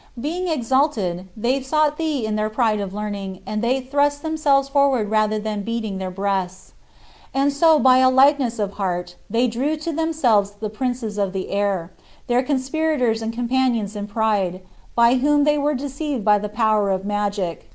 Being exalted, they sought thee in their pride of learning, and they thrust themselves forward rather than beating their breasts. And so by a likeness of heart, they drew to themselves the princes of the air, their conspirators and companions in pride, by whom they were deceived by the power of magic.